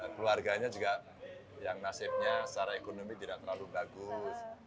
keluarganya juga yang nasibnya secara ekonomi tidak terlalu bagus